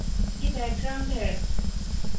یہ background ہے۔